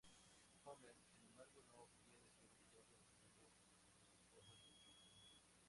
Homer, sin embargo, no quiere ser humillado diciendo que su esposa hacía todo.